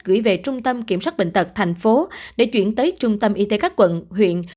gửi về trung tâm kiểm soát bệnh tật thành phố để chuyển tới trung tâm y tế các quận huyện